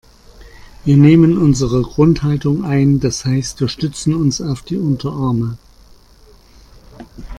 Wir nehmen unsere Grundhaltung ein, das heißt wir stützen uns auf die Unterarme.